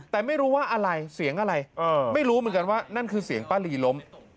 แต่ไม่รู้ว่าอะไรเสียงอะไรไม่รู้เหมือนกันว่านั่นคือเสียงป้าลีล้ม